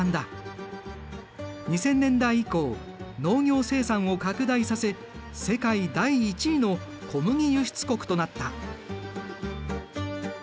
２０００年代以降農業生産を拡大させ世界第１位の小麦輸出国となった。